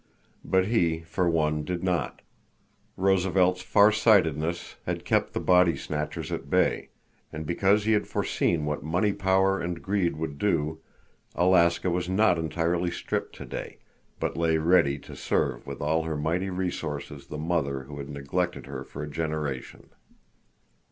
But he, for one, did not. Roosevelt's far sightedness had kept the body snatchers at bay, and because he had foreseen what money power and greed would do, Alaska was not entirely stripped today, but lay ready to serve with all her mighty resources the mother who had neglected her for a generation.